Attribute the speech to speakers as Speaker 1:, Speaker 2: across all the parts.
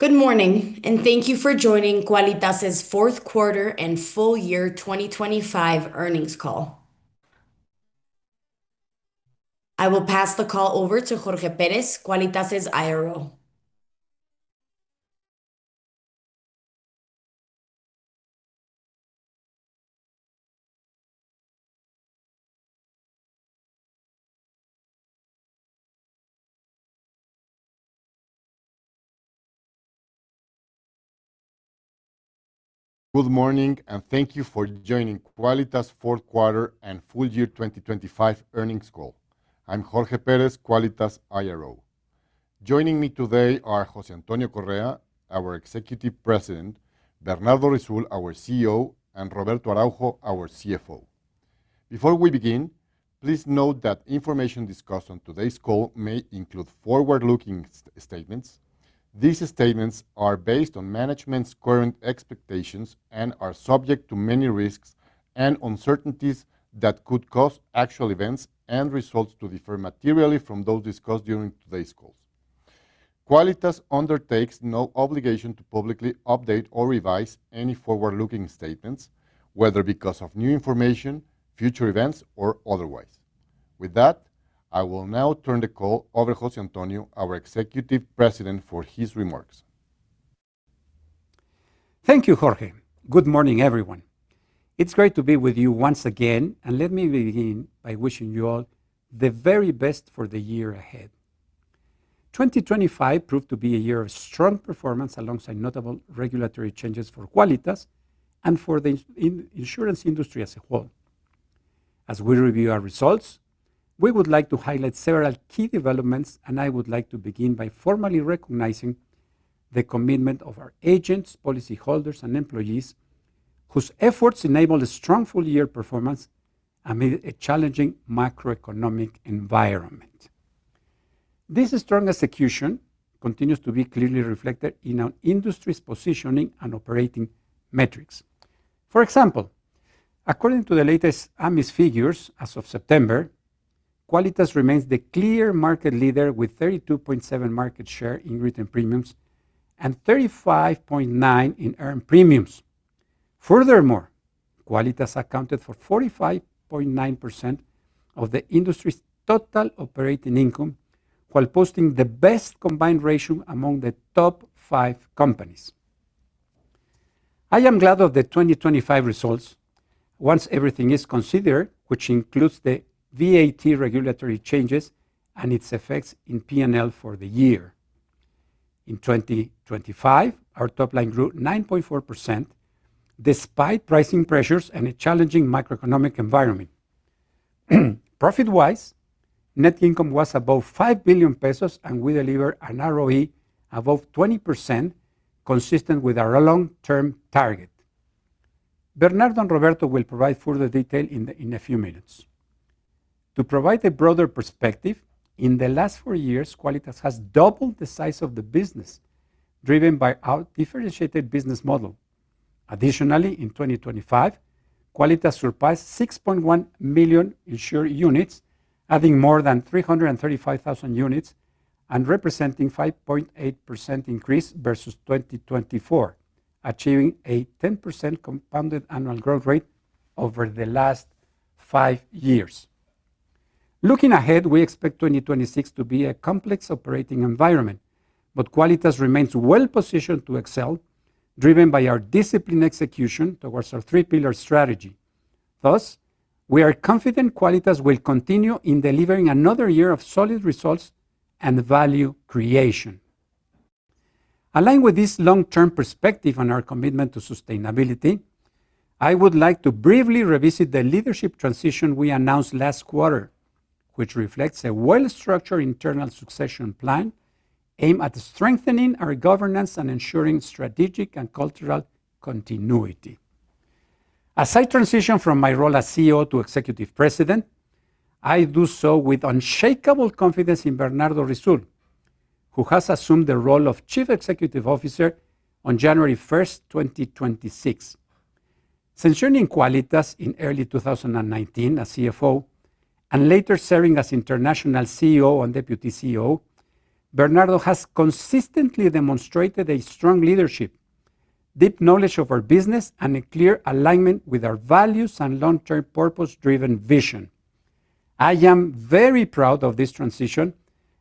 Speaker 1: Good morning, and thank you for joining Quálitas Fourth Quarter and Full Year 2025 Earnings Call. I will pass the call over to Jorge Pérez, Quálitas' IRO.
Speaker 2: Good morning, and thank you for joining Quálitas Fourth Quarter and Full Year 2025 Earnings Call. I'm Jorge Pérez, Quálitas' IRO. Joining me today are José Antonio Correa, our Executive President, Bernardo Risoul, our CEO, and Roberto Araujo, our CFO. Before we begin, please note that information discussed on today's call may include forward-looking statements. These statements are based on management's current expectations and are subject to many risks and uncertainties that could cause actual events and results to differ materially from those discussed during today's call. Quálitas undertakes no obligation to publicly update or revise any forward-looking statements, whether because of new information, future events, or otherwise. With that, I will now turn the call over to José Antonio, our Executive President, for his remarks.
Speaker 3: Thank you, Jorge. Good morning, everyone. It's great to be with you once again, and let me begin by wishing you all the very best for the year ahead. 2025 proved to be a year of strong performance alongside notable regulatory changes for Quálitas and for the insurance industry as a whole. As we review our results, we would like to highlight several key developments, and I would like to begin by formally recognizing the commitment of our agents, policyholders, and employees whose efforts enabled a strong full-year performance amid a challenging macroeconomic environment. This strong execution continues to be clearly reflected in our industry's positioning and operating metrics. For example, according to the latest AMIS figures as of September, Quálitas remains the clear market leader with 32.7% market share in written premiums and 35.9% in earned premiums. Furthermore, Quálitas accounted for 45.9% of the industry's total operating income while posting the best combined ratio among the top five companies. I am glad of the 2025 results once everything is considered, which includes the VAT regulatory changes and its effects in P&L for the year. In 2025, our top line grew 9.4% despite pricing pressures and a challenging macroeconomic environment. Profit-wise, net income was above 5 billion pesos, and we delivered an ROE above 20%, consistent with our long-term target. Bernardo and Roberto will provide further detail in a few minutes. To provide a broader perspective, in the last four years, Quálitas has doubled the size of the business, driven by our differentiated business model. Additionally, in 2025, Quálitas surpassed 6.1 million insured units, adding more than 335,000 units and representing a 5.8% increase versus 2024, achieving a 10% compounded annual growth rate over the last five years. Looking ahead, we expect 2026 to be a complex operating environment, but Quálitas remains well-positioned to excel, driven by our disciplined execution towards our three-pillar strategy. Thus, we are confident Quálitas will continue in delivering another year of solid results and value creation. Aligned with this long-term perspective and our commitment to sustainability, I would like to briefly revisit the leadership transition we announced last quarter, which reflects a well-structured internal succession plan aimed at strengthening our governance and ensuring strategic and cultural continuity. As I transition from my role as CEO to Executive President, I do so with unshakable confidence in Bernardo Risoul, who has assumed the role of Chief Executive Officer on January 1, 2026. Since joining Quálitas in early 2019 as CFO and later serving as International CEO and Deputy CEO, Bernardo has consistently demonstrated a strong leadership, deep knowledge of our business, and a clear alignment with our values and long-term purpose-driven vision. I am very proud of this transition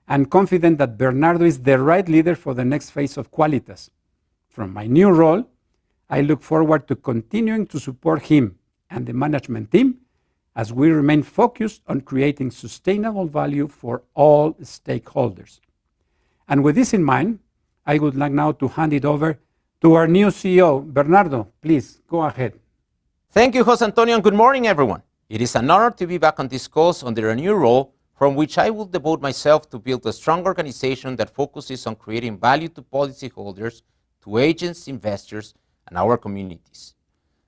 Speaker 3: and confident that Bernardo is the right leader for the next phase of Quálitas. From my new role, I look forward to continuing to support him and the management team as we remain focused on creating sustainable value for all stakeholders. With this in mind, I would like now to hand it over to our new CEO, Bernardo. Please go ahead.
Speaker 4: Thank you, José Antonio, and good morning, everyone. It is an honor to be back on this call on their new role, from which I will devote myself to build a strong organization that focuses on creating value to policyholders, to agents, investors, and our communities.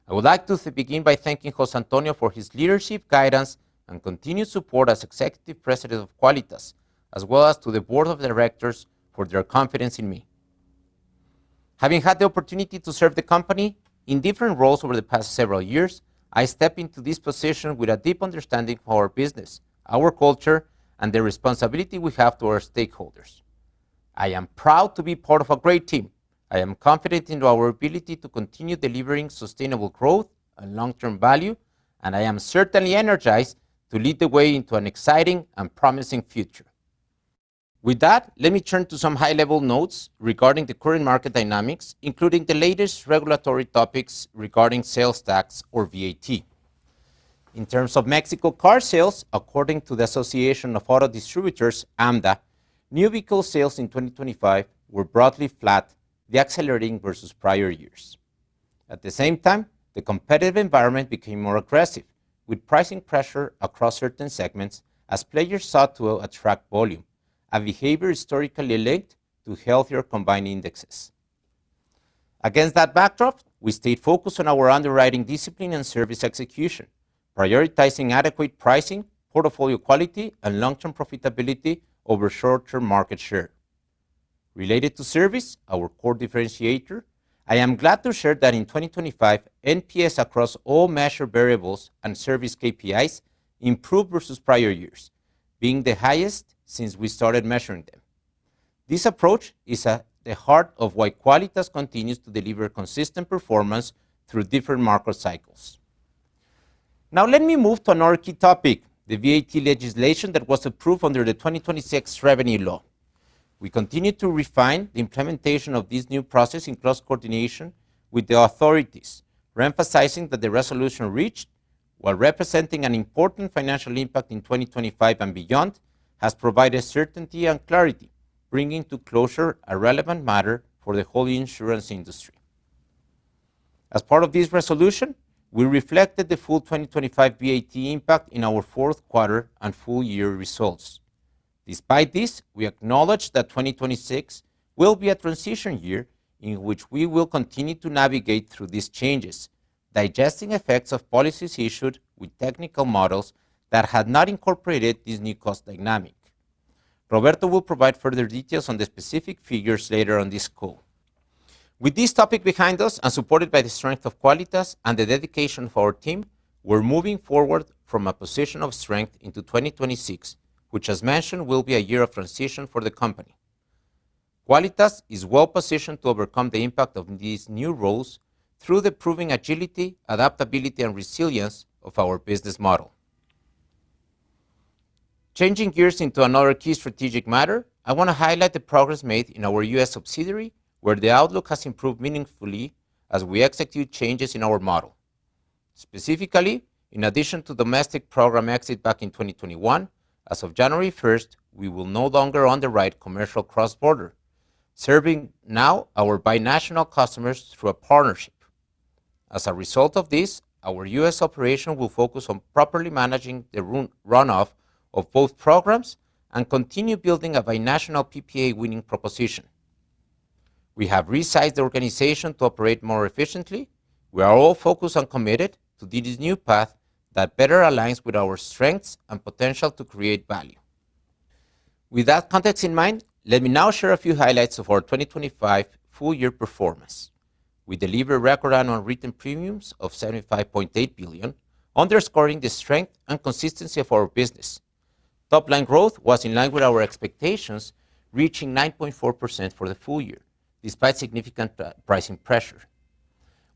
Speaker 4: I would like to begin by thanking José Antonio for his leadership, guidance, and continued support as Executive President of Quálitas, as well as to the Board of Directors for their confidence in me. Having had the opportunity to serve the company in different roles over the past several years, I step into this position with a deep understanding of our business, our culture, and the responsibility we have to our stakeholders. I am proud to be part of a great team. I am confident in our ability to continue delivering sustainable growth and long-term value, and I am certainly energized to lead the way into an exciting and promising future. With that, let me turn to some high-level notes regarding the current market dynamics, including the latest regulatory topics regarding sales tax, or VAT. In terms of Mexico car sales, according to the Association of Automotive Distributors, AMDA, new vehicle sales in 2025 were broadly flat, de-accelerating versus prior years. At the same time, the competitive environment became more aggressive, with pricing pressure across certain segments as players sought to attract volume, a behavior historically linked to healthier combined indexes. Against that backdrop, we stayed focused on our underwriting discipline and service execution, prioritizing adequate pricing, portfolio quality, and long-term profitability over short-term market share. Related to service, our core differentiator, I am glad to share that in 2025, NPS across all measured variables and service KPIs improved versus prior years, being the highest since we started measuring them. This approach is at the heart of why Quálitas continues to deliver consistent performance through different market cycles. Now, let me move to another key topic, the VAT legislation that was approved under the 2026 Revenue Law. We continue to refine the implementation of this new process in close coordination with the authorities, re-emphasizing that the resolution reached, while representing an important financial impact in 2025 and beyond, has provided certainty and clarity, bringing to closure a relevant matter for the whole insurance industry. As part of this resolution, we reflected the full 2025 VAT impact in our fourth quarter and full year results. Despite this, we acknowledge that 2026 will be a transition year in which we will continue to navigate through these changes, digesting effects of policies issued with technical models that had not incorporated this new cost dynamic. Roberto will provide further details on the specific figures later on this call. With this topic behind us and supported by the strength of Quálitas and the dedication of our team, we're moving forward from a position of strength into 2026, which, as mentioned, will be a year of transition for the company. Quálitas is well-positioned to overcome the impact of these new roles through the proving agility, adaptability, and resilience of our business model. Changing gears into another key strategic matter, I want to highlight the progress made in our U.S. subsidiary, where the outlook has improved meaningfully as we execute changes in our model. Specifically, in addition to domestic program exit back in 2021, as of January 1, we will no longer underwrite commercial cross-border, serving now our binational customers through a partnership. As a result of this, our U.S. operation will focus on properly managing the runoff of both programs and continue building a binational PPA-winning proposition. We have resized the organization to operate more efficiently. We are all focused and committed to this new path that better aligns with our strengths and potential to create value. With that context in mind, let me now share a few highlights of our 2025 full-year performance. We delivered record annual written premiums of 75.8 billion, underscoring the strength and consistency of our business. Top-line growth was in line with our expectations, reaching 9.4% for the full year, despite significant pricing pressure.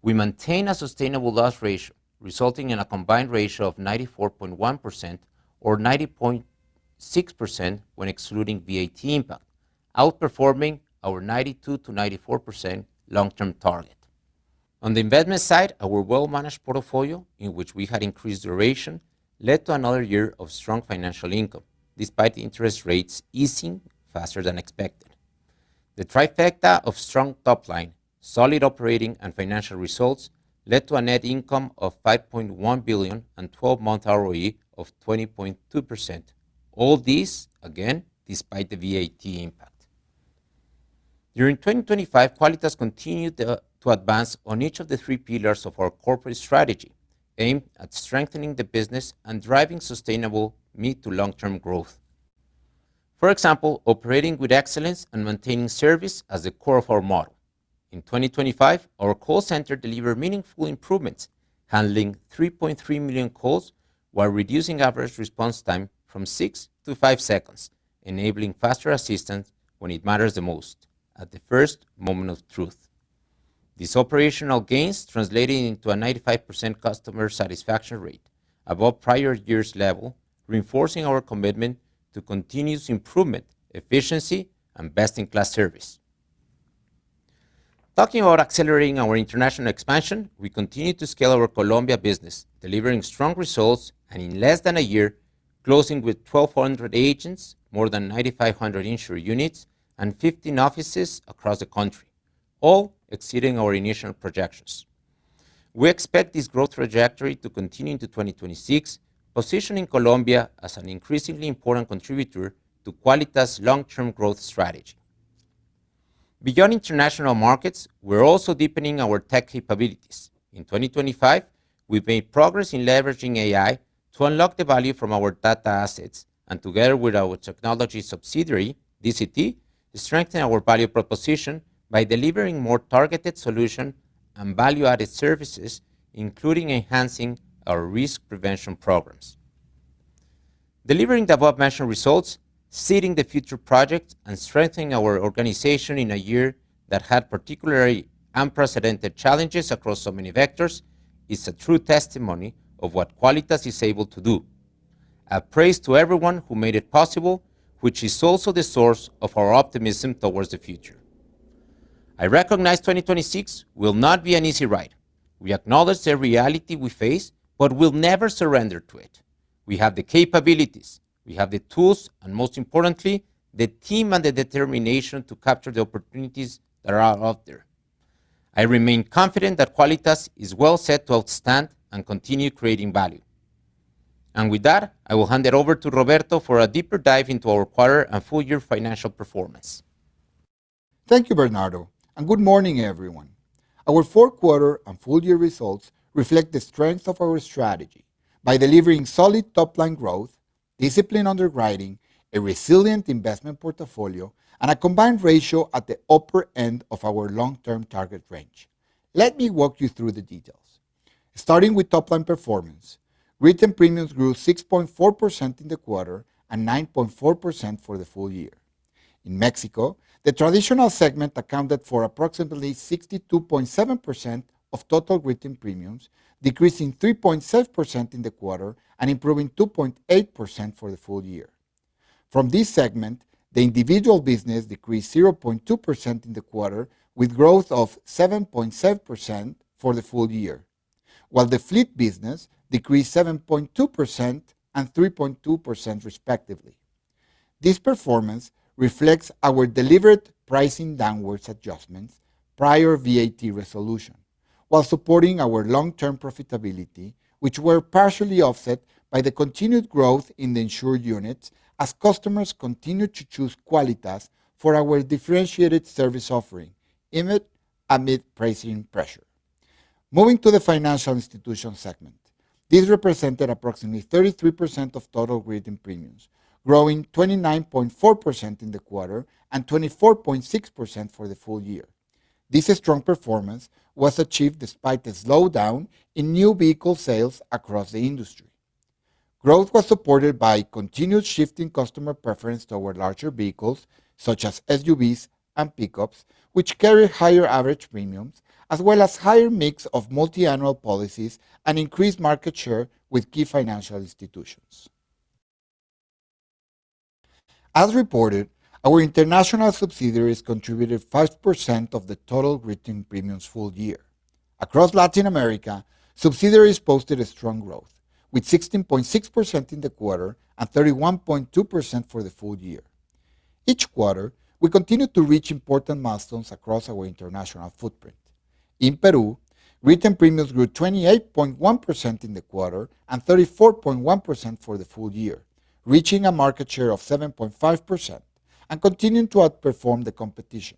Speaker 4: We maintained a sustainable loss ratio, resulting in a combined ratio of 94.1%, or 90.6% when excluding VAT impact, outperforming our 92%-94% long-term target. On the investment side, our well-managed portfolio, in which we had increased duration, led to another year of strong financial income, despite interest rates easing faster than expected. The trifecta of strong top line, solid operating, and financial results led to a net income of 5.1 billion and 12-month ROE of 20.2%, all these, again, despite the VAT impact. During 2025, Quálitas continued to advance on each of the three pillars of our corporate strategy, aimed at strengthening the business and driving sustainable mid- to long-term growth. For example, operating with excellence and maintaining service as the core of our model. In 2025, our call center delivered meaningful improvements, handling 3.3 million calls while reducing average response time from 6 to 5 seconds, enabling faster assistance when it matters the most, at the first moment of truth. These operational gains translated into a 95% customer satisfaction rate, above prior year's level, reinforcing our commitment to continuous improvement, efficiency, and best-in-class service. Talking about accelerating our international expansion, we continue to scale our Colombia business, delivering strong results and, in less than a year, closing with 1,200 agents, more than 9,500 insured units, and 15 offices across the country, all exceeding our initial projections. We expect this growth trajectory to continue into 2026, positioning Colombia as an increasingly important contributor to Quálitas long-term growth strategy. Beyond international markets, we're also deepening our tech capabilities. In 2025, we've made progress in leveraging AI to unlock the value from our data assets and, together with our technology subsidiary, DCT, strengthen our value proposition by delivering more targeted solutions and value-added services, including enhancing our risk prevention programs. Delivering the above-mentioned results, seeding the future projects, and strengthening our organization in a year that had particularly unprecedented challenges across so many vectors is a true testimony of what Quálitas is able to do. A praise to everyone who made it possible, which is also the source of our optimism towards the future. I recognize 2026 will not be an easy ride. We acknowledge the reality we face, but we'll never surrender to it. We have the capabilities, we have the tools, and most importantly, the team and the determination to capture the opportunities that are out there. I remain confident that Quálitas is well set to outstand and continue creating value. With that, I will hand it over to Roberto for a deeper dive into our quarter and full-year financial performance.
Speaker 5: Thank you, Bernardo, and good morning, everyone. Our fourth quarter and full-year results reflect the strength of our strategy by delivering solid top-line growth, disciplined underwriting, a resilient investment portfolio, and a combined ratio at the upper end of our long-term target range. Let me walk you through the details. Starting with top-line performance, written premiums grew 6.4% in the quarter and 9.4% for the full year. In Mexico, the traditional segment accounted for approximately 62.7% of total written premiums, decreasing 3.6% in the quarter and improving 2.8% for the full year. From this segment, the individual business decreased 0.2% in the quarter, with growth of 7.7% for the full year, while the fleet business decreased 7.2% and 3.2%, respectively. This performance reflects our deliberate pricing downwards adjustments prior to VAT resolution, while supporting our long-term profitability, which were partially offset by the continued growth in the insured units as customers continued to choose Quálitas for our differentiated service offering amid pricing pressure. Moving to the financial institution segment, this represented approximately 33% of total written premiums, growing 29.4% in the quarter and 24.6% for the full year. This strong performance was achieved despite a slowdown in new vehicle sales across the industry. Growth was supported by continued shifting customer preference toward larger vehicles such as SUVs and pickups, which carry higher average premiums, as well as a higher mix of multi-annual policies and increased market share with key financial institutions. As reported, our international subsidiaries contributed 5% of the total written premiums full year. Across Latin America, subsidiaries posted a strong growth, with 16.6% in the quarter and 31.2% for the full year. Each quarter, we continued to reach important milestones across our international footprint. In Peru, written premiums grew 28.1% in the quarter and 34.1% for the full year, reaching a market share of 7.5% and continuing to outperform the competition.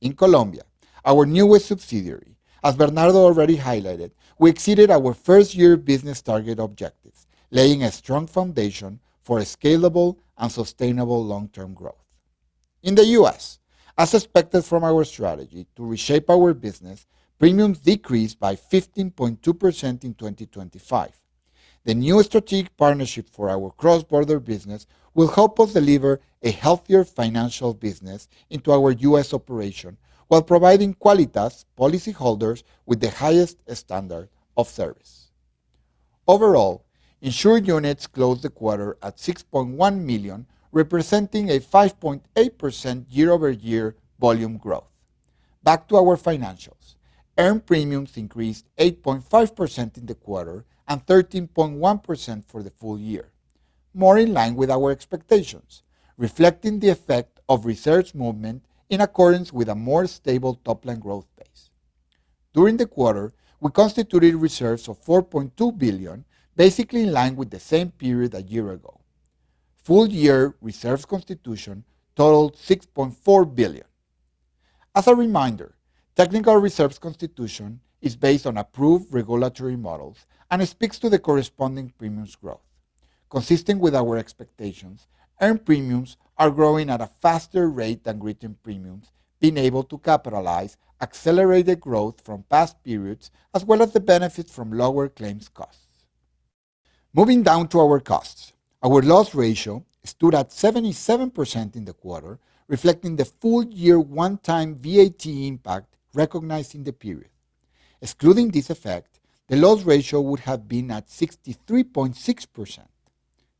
Speaker 5: In Colombia, our newest subsidiary, as Bernardo already highlighted, we exceeded our first-year business target objectives, laying a strong foundation for scalable and sustainable long-term growth. In the U.S., as expected from our strategy to reshape our business, premiums decreased by 15.2% in 2025. The new strategic partnership for our cross-border business will help us deliver a healthier financial business into our U.S. operation while providing Quálitas policyholders with the highest standard of service. Overall, insured units closed the quarter at 6.1 million units, representing a 5.8% year-over-year volume growth. Back to our financials, earned premiums increased 8.5% in the quarter and 13.1% for the full year, more in line with our expectations, reflecting the effect of reserves movement in accordance with a more stable top-line growth base. During the quarter, we constituted reserves of 4.2 billion, basically in line with the same period a year ago. Full-year reserves constitution totaled 6.4 billion. As a reminder, technical reserves constitution is based on approved regulatory models and speaks to the corresponding premiums growth. Consistent with our expectations, earned premiums are growing at a faster rate than written premiums, being able to capitalize accelerated growth from past periods, as well as the benefits from lower claims costs. Moving down to our costs, our loss ratio stood at 77% in the quarter, reflecting the full-year one-time VAT impact recognized in the period. Excluding this effect, the loss ratio would have been at 63.6%.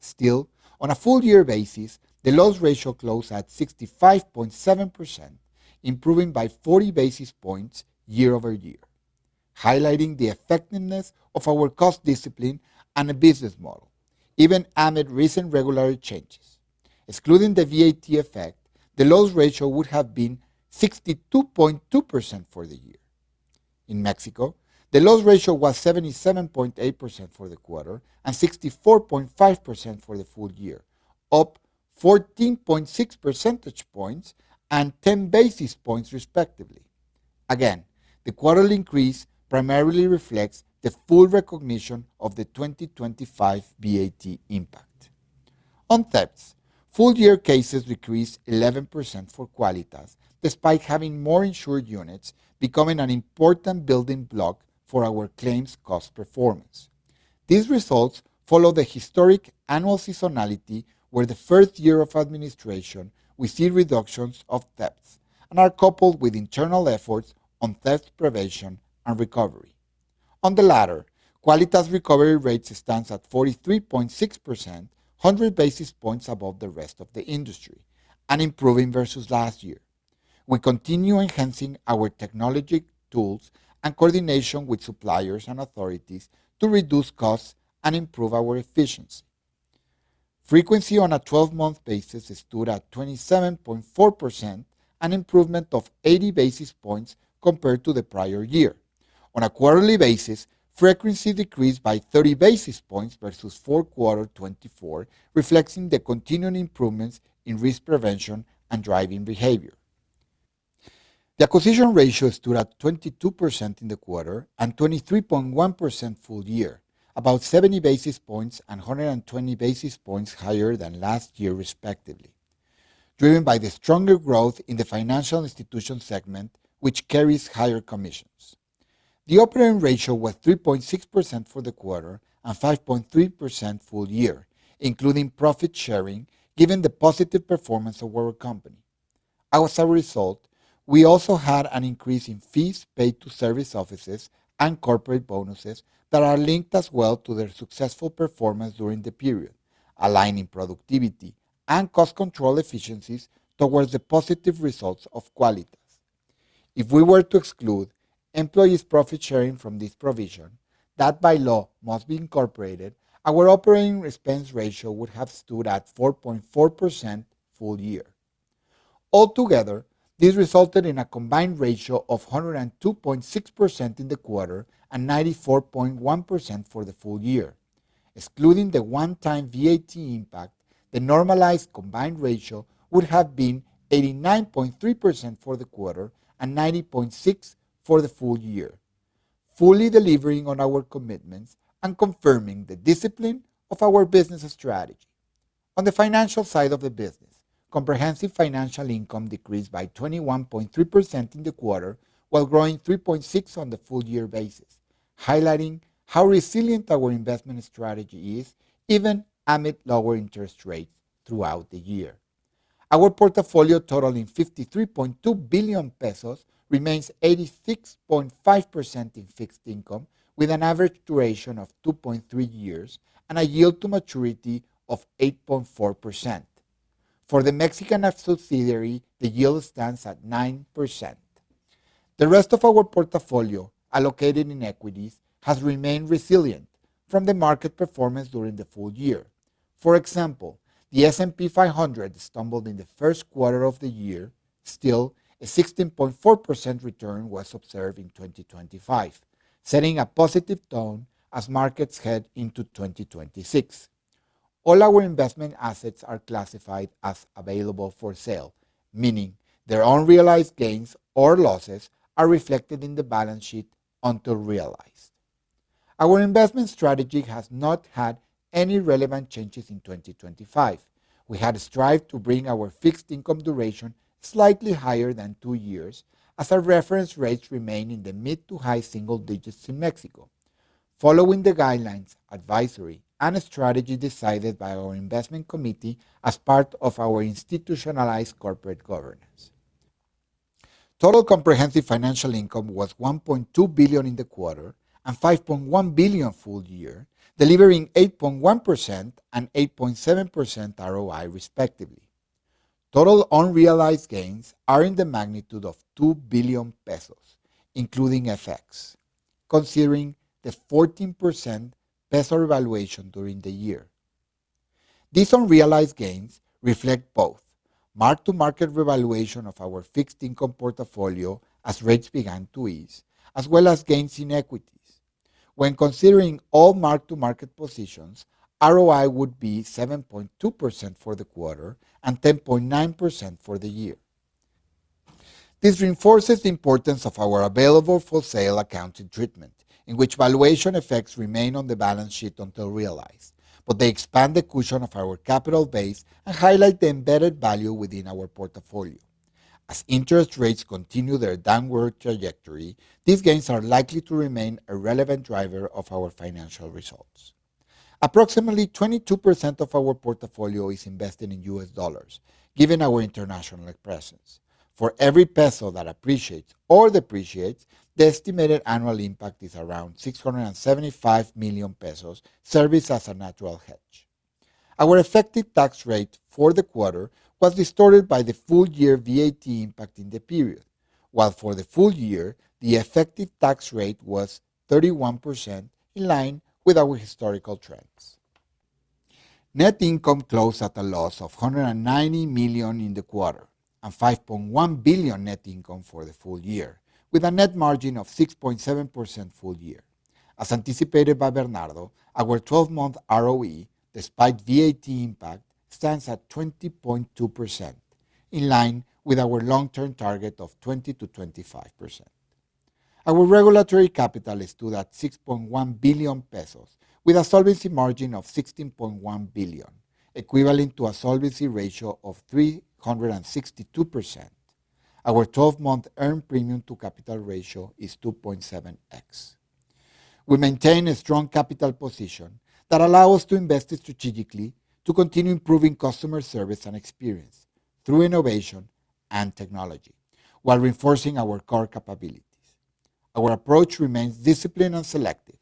Speaker 5: Still, on a full-year basis, the loss ratio closed at 65.7%, improving by 40 basis points year-over-year, highlighting the effectiveness of our cost discipline and business model, even amid recent regulatory changes. Excluding the VAT effect, the loss ratio would have been 62.2% for the year. In Mexico, the loss ratio was 77.8% for the quarter and 64.5% for the full year, up 14.6% points and 10 basis points, respectively. Again, the quarterly increase primarily reflects the full recognition of the 2025 VAT impact. On thefts, full-year cases decreased 11% for Quálitas, despite having more insured units, becoming an important building block for our claims cost performance. These results follow the historic annual seasonality, where the first year of administration, we see reductions of thefts and are coupled with internal efforts on theft prevention and recovery. On the latter, Quálitas recovery rates stand at 43.6%, 100 basis points above the rest of the industry, and improving versus last year. We continue enhancing our technology tools and coordination with suppliers and authorities to reduce costs and improve our efficiency. Frequency on a 12-month basis stood at 27.4%, an improvement of 80 basis points compared to the prior year. On a quarterly basis, frequency decreased by 30 basis points versus four quarters 2024, reflecting the continued improvements in risk prevention and driving behavior. The acquisition ratio stood at 22% in the quarter and 23.1% full year, about 70 basis points and 120 basis points higher than last year, respectively, driven by the stronger growth in the financial institution segment, which carries higher commissions. The operating ratio was 3.6% for the quarter and 5.3% full year, including profit sharing, given the positive performance of our company. As a result, we also had an increase in fees paid to service offices and corporate bonuses that are linked as well to their successful performance during the period, aligning productivity and cost control efficiencies towards the positive results of Quálitas. If we were to exclude employees' profit sharing from this provision that by law must be incorporated, our operating expense ratio would have stood at 4.4% full year. Altogether, this resulted in a combined ratio of 102.6% in the quarter and 94.1% for the full year. Excluding the one-time VAT impact, the normalized combined ratio would have been 89.3% for the quarter and 90.6% for the full year, fully delivering on our commitments and confirming the discipline of our business strategy. On the financial side of the business, comprehensive financial income decreased by 21.3% in the quarter, while growing 3.6% on the full-year basis, highlighting how resilient our investment strategy is, even amid lower interest rates throughout the year. Our portfolio totaling 53.2 billion pesos remains 86.5% in fixed income, with an average duration of 2.3 years and a yield to maturity of 8.4%. For the Mexican subsidiary, the yield stands at 9%. The rest of our portfolio, allocated in equities, has remained resilient from the market performance during the full year. For example, the S&P 500 stumbled in the first quarter of the year. Still, a 16.4% return was observed in 2025, setting a positive tone as markets head into 2026. All our investment assets are classified as available for sale, meaning their unrealized gains or losses are reflected in the balance sheet until realized. Our investment strategy has not had any relevant changes in 2025. We had strived to bring our fixed income duration slightly higher than two years, as our reference rates remain in the mid to high single digits in Mexico, following the guidelines, advisory, and strategy decided by our investment committee as part of our institutionalized corporate governance. Total comprehensive financial income was 1.2 billion in the quarter and 5.1 billion full year, delivering 8.1% and 8.7% ROI, respectively. Total unrealized gains are in the magnitude of 2 billion pesos, including FX, considering the 14% peso revaluation during the year. These unrealized gains reflect both mark-to-market revaluation of our fixed income portfolio as rates began to ease, as well as gains in equities. When considering all mark-to-market positions, ROI would be 7.2% for the quarter and 10.9% for the year. This reinforces the importance of our available for sale accounting treatment, in which valuation effects remain on the balance sheet until realized, but they expand the cushion of our capital base and highlight the embedded value within our portfolio. As interest rates continue their downward trajectory, these gains are likely to remain a relevant driver of our financial results. Approximately 22% of our portfolio is invested in U.S. dollars, given our international presence. For every peso that appreciates or depreciates, the estimated annual impact is around 675 million pesos serviced as a natural hedge. Our effective tax rate for the quarter was distorted by the full-year VAT impact in the period, while for the full year, the effective tax rate was 31%, in line with our historical trends. Net income closed at a loss of 190 million in the quarter and 5.1 billion net income for the full year, with a net margin of 6.7% full year. As anticipated by Bernardo, our 12-month ROE, despite VAT impact, stands at 20.2%, in line with our long-term target of 20%-25%. Our regulatory capital is stood at 6.1 billion pesos, with a solvency margin of 16.1 billion, equivalent to a solvency ratio of 362%. Our 12-month earned premium to capital ratio is 2.7x. We maintain a strong capital position that allows us to invest strategically to continue improving customer service and experience through innovation and technology, while reinforcing our core capabilities. Our approach remains disciplined and selective,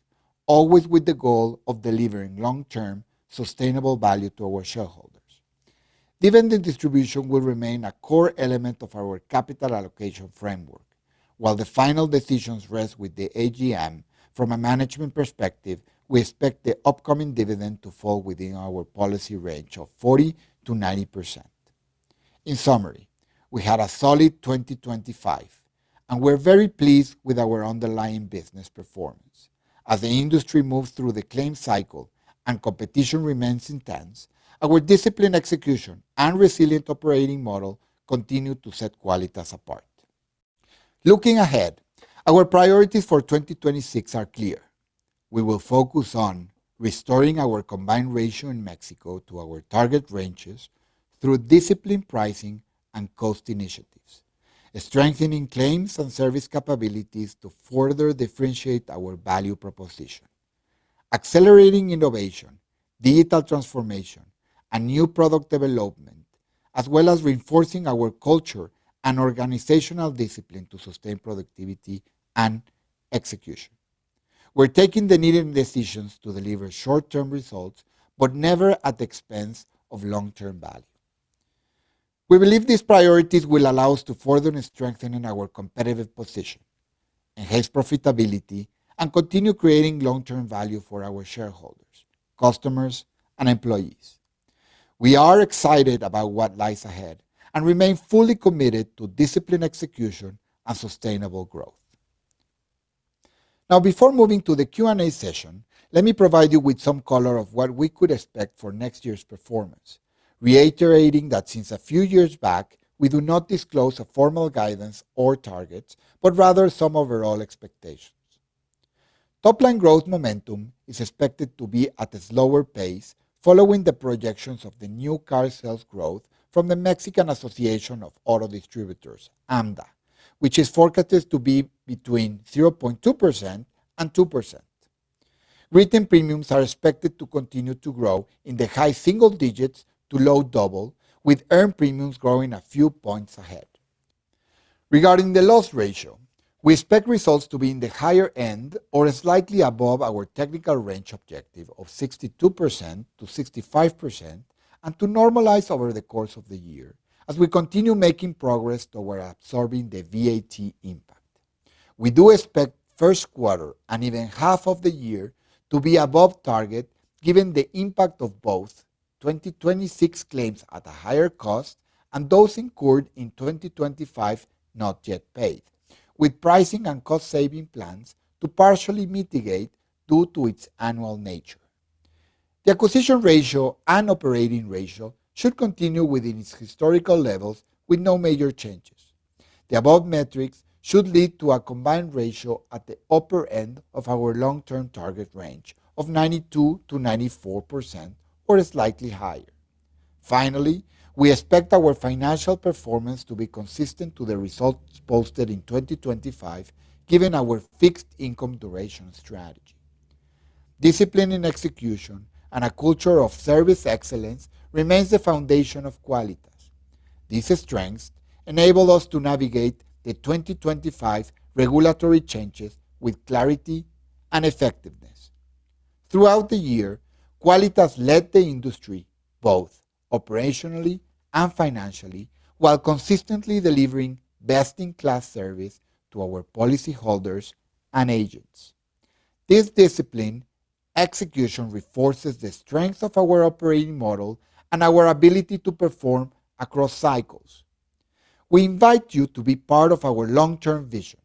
Speaker 5: always with the goal of delivering long-term sustainable value to our shareholders. Dividend distribution will remain a core element of our capital allocation framework, while the final decisions rest with the AGM. From a management perspective, we expect the upcoming dividend to fall within our policy range of 40%-90%. In summary, we had a solid 2025, and we're very pleased with our underlying business performance. As the industry moves through the claims cycle and competition remains intense, our disciplined execution and resilient operating model continue to set Quálitas apart. Looking ahead, our priorities for 2026 are clear. We will focus on restoring our combined ratio in Mexico to our target ranges through disciplined pricing and cost initiatives, strengthening claims and service capabilities to further differentiate our value proposition, accelerating innovation, digital transformation, and new product development, as well as reinforcing our culture and organizational discipline to sustain productivity and execution. We're taking the needed decisions to deliver short-term results, but never at the expense of long-term value. We believe these priorities will allow us to further strengthen our competitive position, enhance profitability, and continue creating long-term value for our shareholders, customers, and employees. We are excited about what lies ahead and remain fully committed to disciplined execution and sustainable growth. Now, before moving to the Q&A session, let me provide you with some color of what we could expect for next year's performance, reiterating that since a few years back, we do not disclose a formal guidance or targets, but rather some overall expectations. Top-line growth momentum is expected to be at a slower pace, following the projections of the new car sales growth from the Mexican Association of Automotive Distributors, AMDA, which is forecasted to be between 0.2%-2%. Written premiums are expected to continue to grow in the high single digits to low double, with earned premiums growing a few points ahead. Regarding the loss ratio, we expect results to be in the higher end or slightly above our technical range objective of 62%-65% and to normalize over the course of the year as we continue making progress toward absorbing the VAT impact. We do expect first quarter and even half of the year to be above target, given the impact of both 2026 claims at a higher cost and those incurred in 2025 not yet paid, with pricing and cost-saving plans to partially mitigate due to its annual nature. The acquisition ratio and operating ratio should continue within its historical levels with no major changes. The above metrics should lead to a combined ratio at the upper end of our long-term target range of 92%-94% or slightly higher. Finally, we expect our financial performance to be consistent to the results posted in 2025, given our fixed income duration strategy. Discipline in execution and a culture of service excellence remain the foundation of Quálitas. These strengths enable us to navigate the 2025 regulatory changes with clarity and effectiveness. Throughout the year, Quálitas led the industry both operationally and financially, while consistently delivering best-in-class service to our policyholders and agents. This discipline execution reinforces the strength of our operating model and our ability to perform across cycles. We invite you to be part of our long-term vision,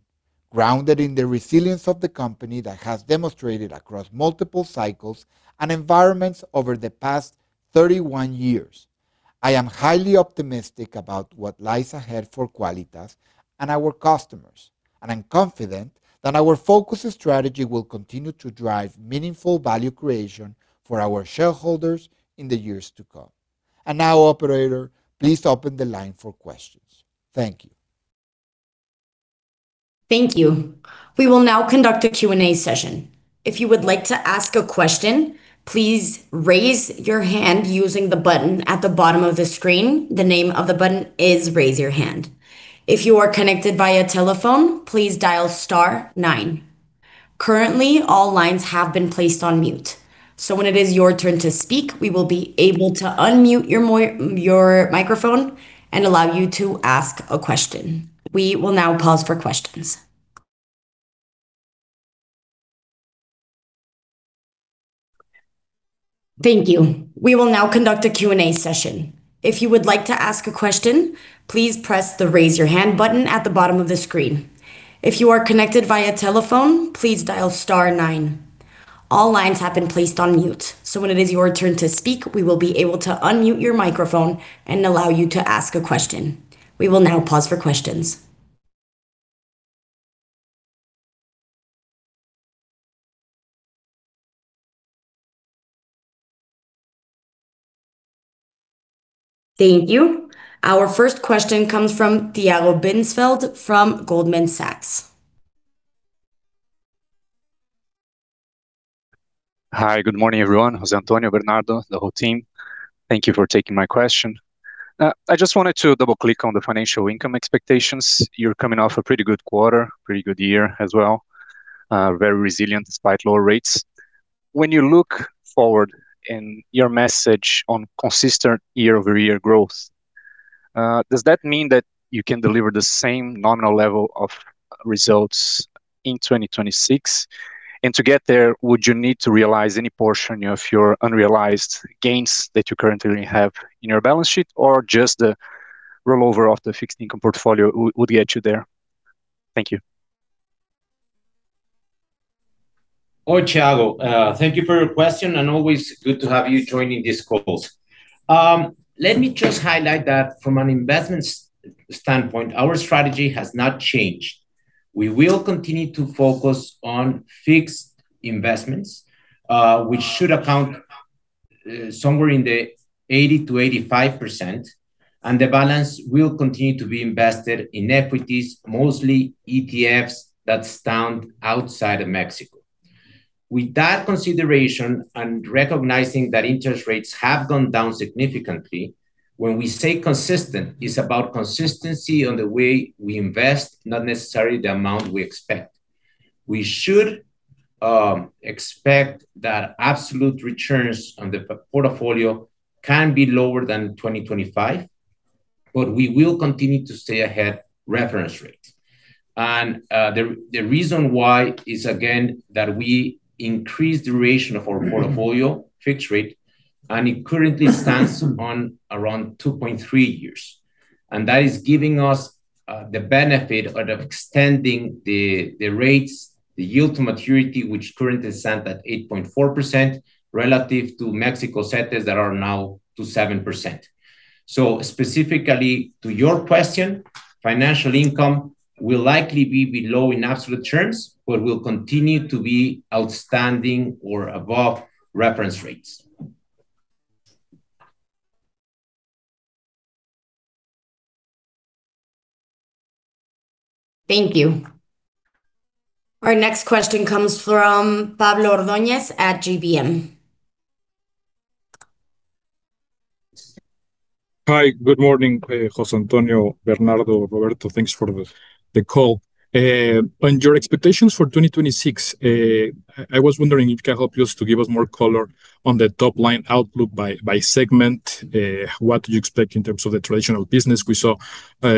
Speaker 5: grounded in the resilience of the company that has demonstrated across multiple cycles and environments over the past 31 years. I am highly optimistic about what lies ahead for Quálitas and our customers, and I'm confident that our focus and strategy will continue to drive meaningful value creation for our shareholders in the years to come. And now, Operator, please open the line for questions. Thank you.
Speaker 1: Thank you. We will now conduct a Q&A session. If you would like to ask a question, please raise your hand using the button at the bottom of the screen. The name of the button is "Raise Your Hand." If you are connected via telephone, please dial star nine. Currently, all lines have been placed on mute, so when it is your turn to speak, we will be able to unmute your microphone and allow you to ask a question. We will now pause for questions. Thank you. We will now conduct a Q&A session. If you would like to ask a question, please press the "Raise Your Hand" button at the bottom of the screen. If you are connected via telephone, please dial star nine. All lines have been placed on mute, so when it is your turn to speak, we will be able to unmute your microphone and allow you to ask a question. We will now pause for questions. Thank you. Our first question comes from Tiago Binsfeld from Goldman Sachs.
Speaker 6: Hi, good morning, everyone. José Antonio, Bernardo, the whole team. Thank you for taking my question. I just wanted to double-click on the financial income expectations. You're coming off a pretty good quarter, pretty good year as well, very resilient despite lower rates. When you look forward in your message on consistent year-over-year growth, does that mean that you can deliver the same nominal level of results in 2026? To get there, would you need to realize any portion of your unrealized gains that you currently have in your balance sheet, or just the rollover of the fixed income portfolio would get you there? Thank you.
Speaker 4: Hi, Tiago. Thank you for your question, and always good to have you joining this call. Let me just highlight that from an investment standpoint, our strategy has not changed. We will continue to focus on fixed investments, which should account somewhere in the 80%-85%, and the balance will continue to be invested in equities, mostly ETFs that stand outside of Mexico. With that consideration and recognizing that interest rates have gone down significantly, when we say consistent, it's about consistency on the way we invest, not necessarily the amount we expect. We should expect that absolute returns on the portfolio can be lower than 2025, but we will continue to stay ahead reference rate. The reason why is, again, that we increased the duration of our portfolio fixed rate, and it currently stands on around 2.3 years. That is giving us the benefit of extending the rates, the yield to maturity, which currently stands at 8.4% relative to Mexico CETES that are now to 7%. So specifically to your question, financial income will likely be below in absolute terms, but will continue to be outstanding or above reference rates.
Speaker 1: Thank you. Our next question comes from Pablo Ordóñez at GBM.
Speaker 7: Hi, good morning, José Antonio, Bernardo, Roberto. Thanks for the call. On your expectations for 2026, I was wondering if you can help us to give us more color on the top-line outlook by segment. What do you expect in terms of the traditional business? We saw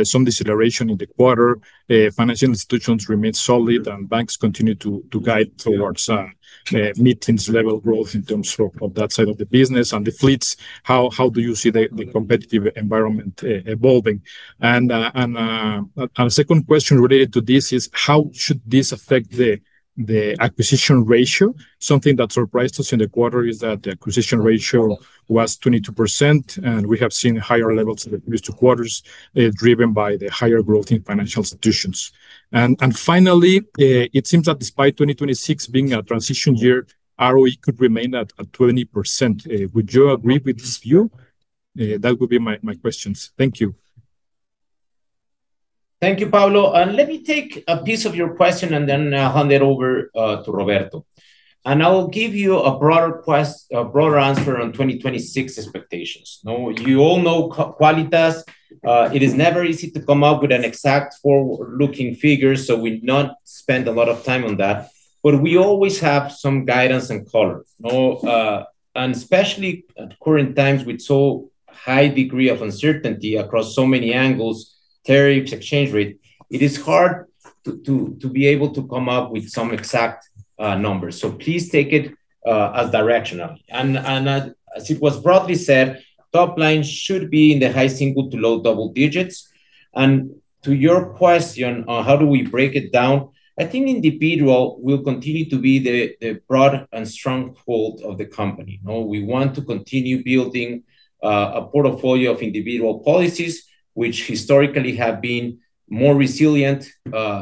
Speaker 7: some deceleration in the quarter. Financial institutions remain solid, and banks continue to guide towards meetings-level growth in terms of that side of the business and the fleets. How do you see the competitive environment evolving? And a second question related to this is, how should this affect the acquisition ratio? Something that surprised us in the quarter is that the acquisition ratio was 22%, and we have seen higher levels in the previous two quarters driven by the higher growth in financial institutions. And finally, it seems that despite 2026 being a transition year, ROE could remain at 20%. Would you agree with this view? That would be my questions. Thank you.
Speaker 4: Thank you, Pablo. Let me take a piece of your question and then hand it over to Roberto, and I will give you a broader answer on 2026 expectations. You all know Quálitas. It is never easy to come up with an exact forward-looking figure, so we don't spend a lot of time on that, but we always have some guidance and color. Especially at current times with so high a degree of uncertainty across so many angles, tariffs, exchange rates, it is hard to be able to come up with some exact numbers. So please take it as directional. As it was broadly said, top-line should be in the high single to low double digits. To your question on how do we break it down, I think individual will continue to be the broad and strong hold of the company. We want to continue building a portfolio of individual policies, which historically have been more resilient,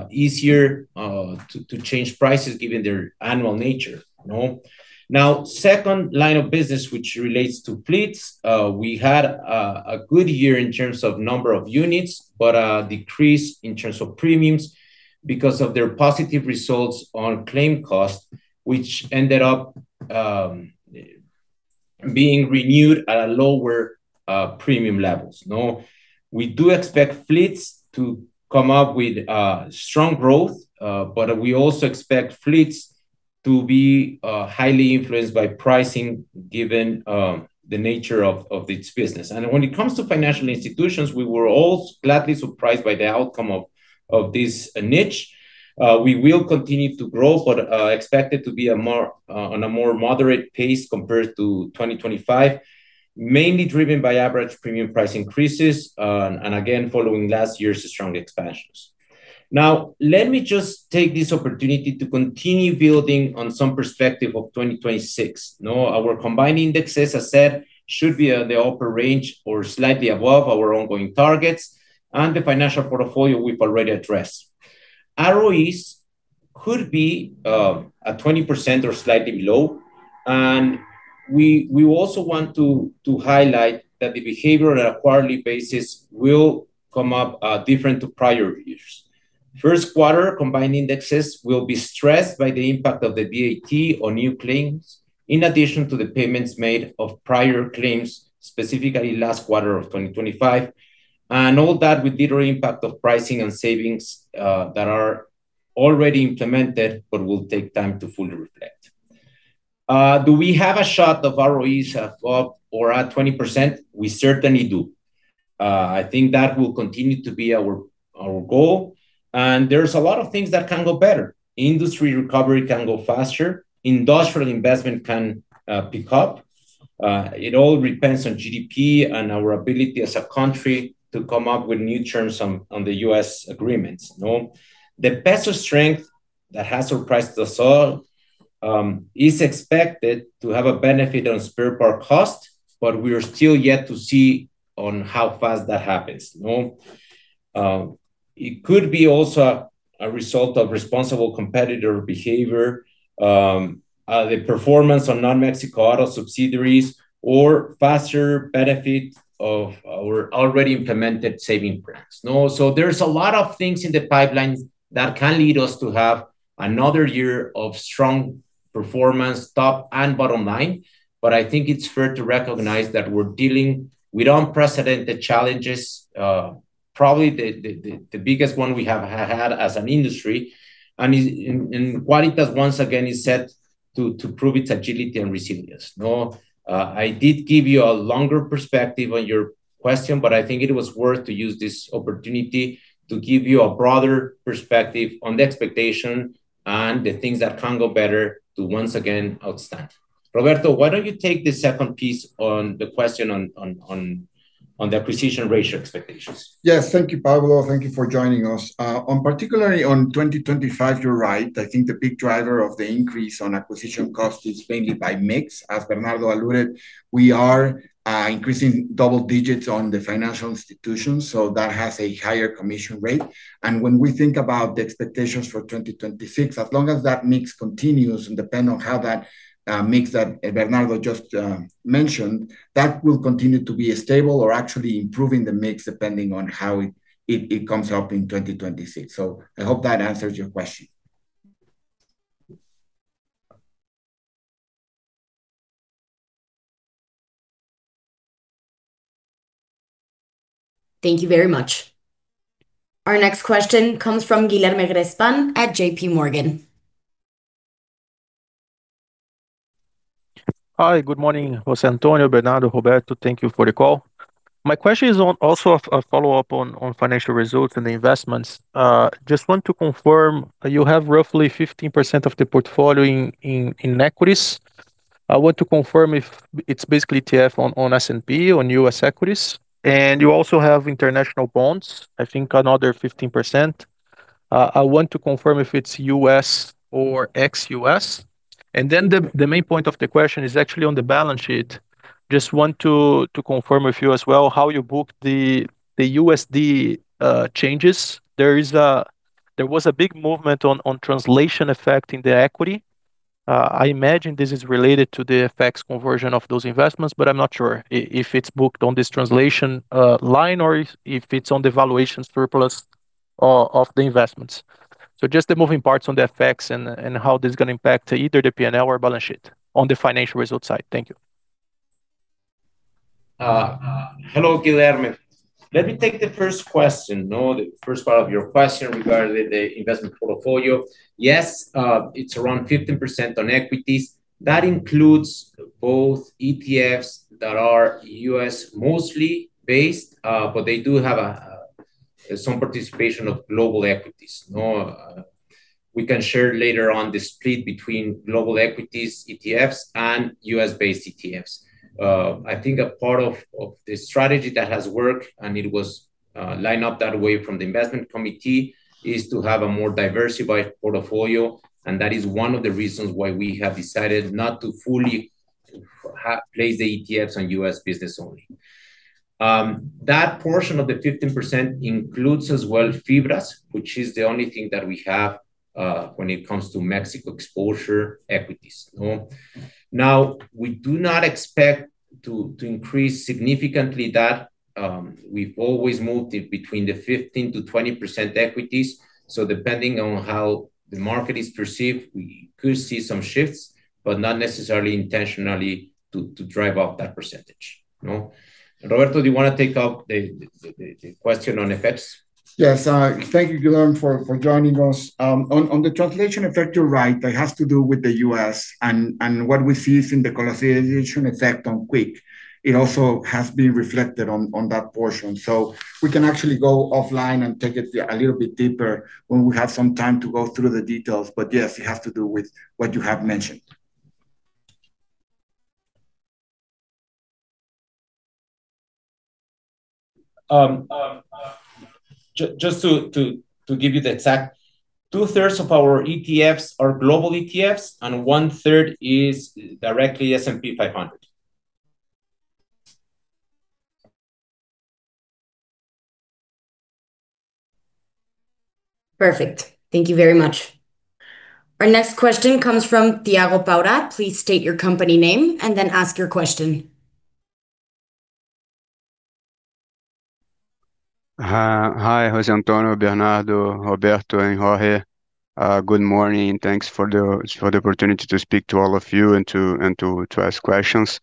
Speaker 4: easier to change prices given their annual nature. Now, second line of business, which relates to fleets, we had a good year in terms of number of units, but a decrease in terms of premiums because of their positive results on claim cost, which ended up being renewed at lower premium levels. We do expect fleets to come up with strong growth, but we also expect fleets to be highly influenced by pricing given the nature of its business. When it comes to financial institutions, we were all gladly surprised by the outcome of this niche. We will continue to grow, but expect it to be on a more moderate pace compared to 2025, mainly driven by average premium price increases and, again, following last year's strong expansions. Now, let me just take this opportunity to continue building on some perspective of 2026. Our combined indexes, as I said, should be in the upper range or slightly above our ongoing targets, and the financial portfolio we've already addressed. ROEs could be at 20% or slightly below, and we also want to highlight that the behavior on a quarterly basis will come up different to prior years. First quarter combined indexes will be stressed by the impact of the VAT on new claims, in addition to the payments made of prior claims, specifically last quarter of 2025, and all that with little impact of pricing and savings that are already implemented, but will take time to fully reflect. Do we have a shot of ROEs above or at 20%? We certainly do. I think that will continue to be our goal, and there's a lot of things that can go better. Industry recovery can go faster. Industrial investment can pick up. It all depends on GDP and our ability as a country to come up with new terms on the U.S. agreements. The peso strength that has surprised us all is expected to have a benefit on spare part cost, but we are still yet to see how fast that happens. It could be also a result of responsible competitor behavior, the performance on non-Mexico auto subsidiaries, or faster benefit of our already implemented saving plans. So there's a lot of things in the pipeline that can lead us to have another year of strong performance, top and bottom line, but I think it's fair to recognize that we're dealing with unprecedented challenges, probably the biggest one we have had as an industry. Quálitas, once again, is set to prove its agility and resilience. I did give you a longer perspective on your question, but I think it was worth to use this opportunity to give you a broader perspective on the expectation and the things that can go better to, once again, outstand. Roberto, why don't you take the second piece on the question on the acquisition ratio expectations?
Speaker 5: Yes, thank you, Pablo. Thank you for joining us. Particularly on 2025, you're right. I think the big driver of the increase on acquisition cost is mainly by mix. As Bernardo alluded, we are increasing double digits on the financial institutions, so that has a higher commission rate. And when we think about the expectations for 2026, as long as that mix continues and depend on how that mix that Bernardo just mentioned, that will continue to be stable or actually improving the mix depending on how it comes up in 2026. So I hope that answers your question.
Speaker 1: Thank you very much. Our next question comes from Guilherme Grespan at J.P. Morgan.
Speaker 8: Hi, good morning, José Antonio, Bernardo, Roberto. Thank you for the call. My question is also a follow-up on financial results and the investments. Just want to confirm you have roughly 15% of the portfolio in equities. I want to confirm if it's basically ETF on S&P or U.S. equities, and you also have international bonds, I think another 15%. I want to confirm if it's US or ex-U.S. Then the main point of the question is actually on the balance sheet. Just want to confirm with you as well how you booked the USD changes. There was a big movement on translation effect in the equity. I imagine this is related to the FX conversion of those investments, but I'm not sure if it's booked on this translation line or if it's on the valuation surplus of the investments. So just the moving parts on the FX and how this is going to impact either the P&L or balance sheet on the financial result side.
Speaker 4: Thank you. Hello, Guilherme. Let me take the first question, the first part of your question regarding the investment portfolio. Yes, it's around 15% on equities. That includes both ETFs that are U.S. mostly based, but they do have some participation of global equities. We can share later on the split between global equities ETFs and U.S.-based ETFs. I think a part of the strategy that has worked and it was lined up that way from the investment committee is to have a more diversified portfolio, and that is one of the reasons why we have decided not to fully place the ETFs on U.S. business only. That portion of the 15% includes as well FIBRAs, which is the only thing that we have when it comes to Mexico exposure equities. Now, we do not expect to increase significantly that. We've always moved it between the 15%-20% equities. So depending on how the market is perceived, we could see some shifts, but not necessarily intentionally to drive up that percentage. Roberto, do you want to take up the question on effects?
Speaker 5: Yes. Thank you, Guilherme, for joining us. On the translation effect, you're right. It has to do with the U.S. and what we see is in the consolidation effect on QUIC. It also has been reflected on that portion. So we can actually go offline and take it a little bit deeper when we have some time to go through the details. But yes, it has to do with what you have mentioned.
Speaker 4: Just to give you the exact, two-thirds of our ETFs are global ETFs and one-third is directly S&P 500.
Speaker 1: Perfect. Thank you very much. Our next question comes from Tiago Paura. Please state your company name and then ask your question.
Speaker 9: Hi, José Antonio, Bernardo, Roberto, and Jorge. Good morning. Thanks for the opportunity to speak to all of you and to ask questions.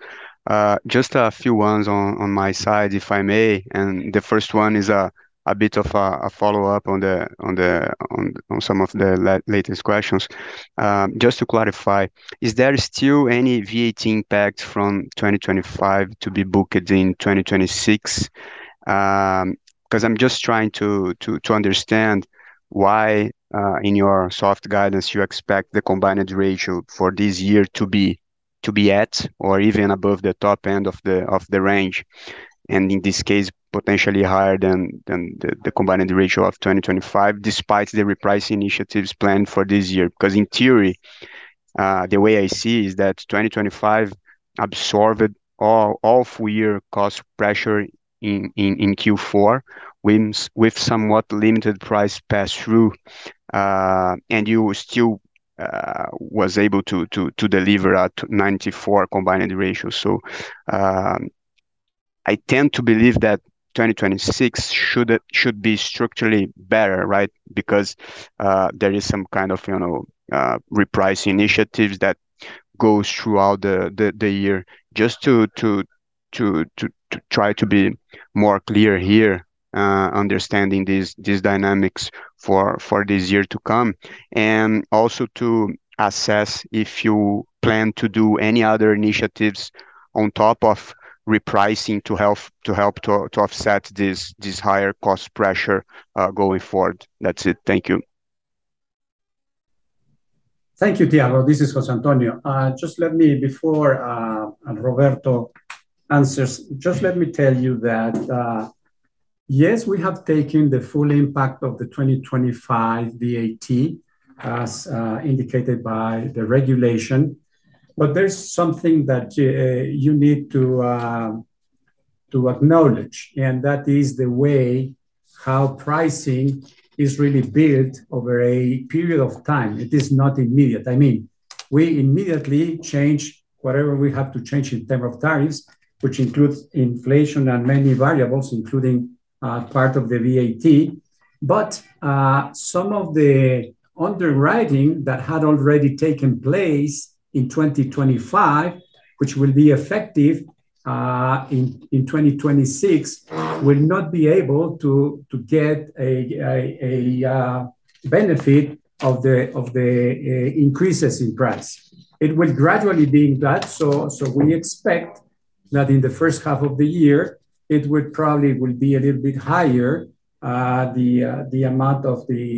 Speaker 9: Just a few ones on my side, if I may. The first one is a bit of a follow-up on some of the latest questions. Just to clarify, is there still any VAT impact from 2025 to be booked in 2026? Because I'm just trying to understand why in your soft guidance you expect the combined ratio for this year to be at or even above the top end of the range, and in this case, potentially higher than the combined ratio of 2025 despite the repricing initiatives planned for this year. Because in theory, the way I see is that 2025 absorbed all four-year cost pressure in Q4 with somewhat limited price pass-through, and you still were able to deliver at 94 combined ratio. I tend to believe that 2026 should be structurally better, right? Because there is some kind of repricing initiatives that go throughout the year. Just to try to be more clear here, understanding these dynamics for this year to come, and also to assess if you plan to do any other initiatives on top of repricing to help to offset this higher cost pressure going forward. That's it. Thank you.
Speaker 3: Thank you, Tiago. This is José Antonio. Just let me, before Roberto answers, just let me tell you that, yes, we have taken the full impact of the 2025 VAT as indicated by the regulation, but there's something that you need to acknowledge, and that is the way how pricing is really built over a period of time. It is not immediate. I mean, we immediately change whatever we have to change in terms of tariffs, which includes inflation and many variables, including part of the VAT. But some of the underwriting that had already taken place in 2025, which will be effective in 2026, will not be able to get a benefit of the increases in price. It will gradually be in that. So we expect that in the first half of the year, it would probably be a little bit higher, the amount of the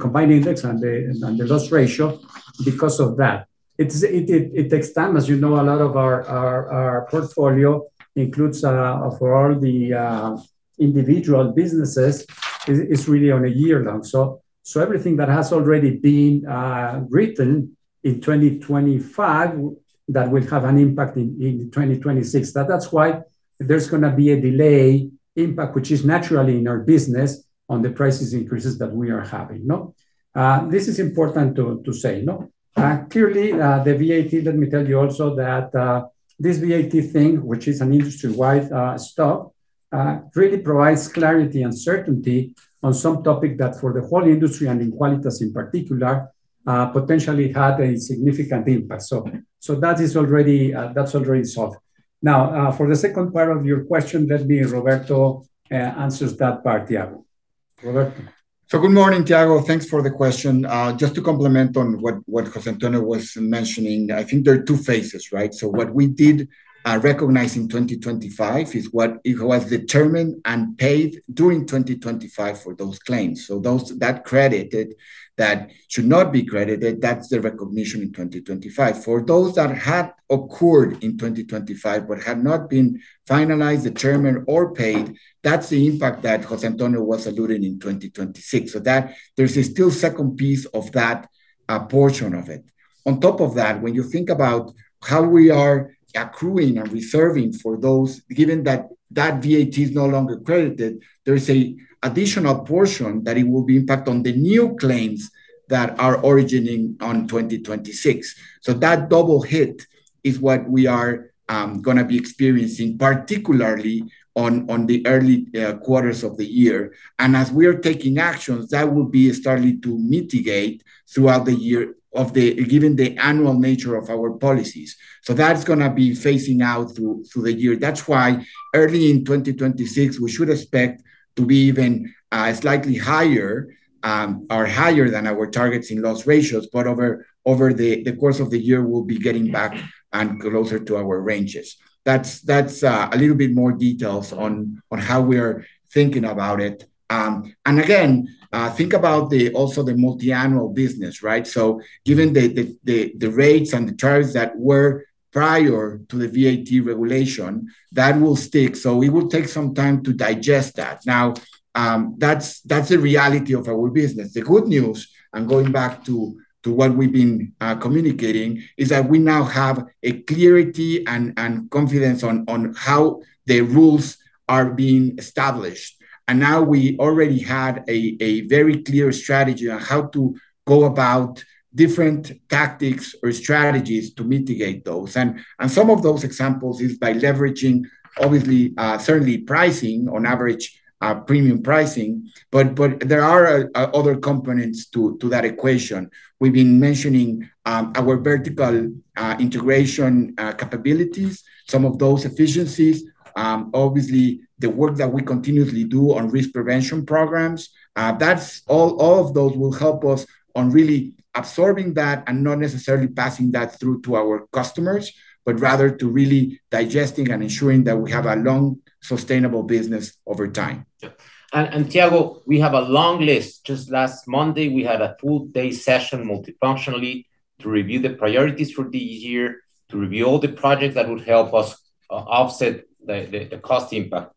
Speaker 3: combined ratio and the loss ratio because of that. It takes time. As you know, a lot of our portfolio includes for all the individual businesses, it's really on a year-long. So everything that has already been written in 2025 that will have an impact in 2026. That's why there's going to be a delay impact, which is naturally in our business on the price increases that we are having. This is important to say. Clearly, the VAT, let me tell you also that this VAT thing, which is an industry-wide stuff, really provides clarity and certainty on some topic that for the whole industry and in Quálitas in particular, potentially had a significant impact. So that's already solved. Now, for the second part of your question, let me Roberto answer that part, Tiago. Roberto.
Speaker 5: So good morning, Tiago. Thanks for the question. Just to complement on what José Antonio was mentioning, I think there are two phases, right? So what we did recognize in 2025 is what was determined and paid during 2025 for those claims. So that credited that should not be credited, that's the recognition in 2025. For those that had occurred in 2025 but had not been finalized, determined, or paid, that's the impact that José Antonio was alluding to in 2026. So there's still a second piece of that portion of it. On top of that, when you think about how we are accruing and reserving for those, given that that VAT is no longer credited, there's an additional portion that it will be impacted on the new claims that are originating on 2026. So that double hit is what we are going to be experiencing, particularly on the early quarters of the year. And as we are taking actions, that will be starting to mitigate throughout the year, given the annual nature of our policies. So that's going to be phasing out through the year. That's why early in 2026, we should expect to be even slightly higher or higher than our targets in loss ratios, but over the course of the year, we'll be getting back and closer to our ranges. That's a little bit more details on how we are thinking about it. Again, think about also the multi-annual business, right? Given the rates and the charges that were prior to the VAT regulation, that will stick. It will take some time to digest that. Now, that's the reality of our business. The good news, and going back to what we've been communicating, is that we now have a clarity and confidence on how the rules are being established. We already had a very clear strategy on how to go about different tactics or strategies to mitigate those. Some of those examples is by leveraging, obviously, certainly pricing on average, premium pricing, but there are other components to that equation. We've been mentioning our vertical integration capabilities, some of those efficiencies, obviously the work that we continuously do on risk prevention programs. All of those will help us on really absorbing that and not necessarily passing that through to our customers, but rather to really digesting and ensuring that we have a long, sustainable business over time.
Speaker 4: And Tiago, we have a long list. Just last Monday, we had a full-day session multifunctionally to review the priorities for the year, to review all the projects that would help us offset the cost impact.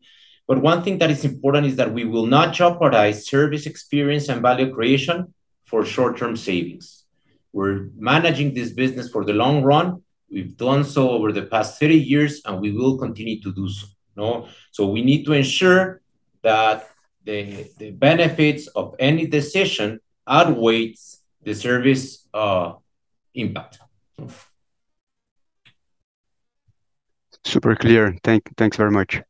Speaker 4: But one thing that is important is that we will not jeopardize service experience and value creation for short-term savings. We're managing this business for the long run. We've done so over the past 30 years, and we will continue to do so. So we need to ensure that the benefits of any decision outweigh the service impact.
Speaker 9: Super clear. Thanks very much.